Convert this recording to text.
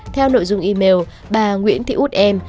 theo nội dung email bà nguyễn nguyễn